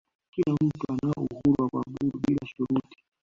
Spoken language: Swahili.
kila mtu anao uhuru wa kuabudu bila shuruti